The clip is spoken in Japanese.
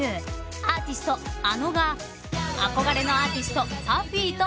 アーティストａｎｏが憧れのアーティストＰＵＦＦＹと初共演］